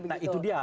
nah itu dia